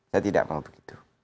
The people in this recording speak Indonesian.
saya tidak mau begitu